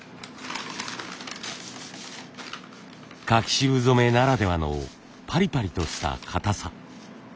柿渋染めならではのパリパリとした硬さ。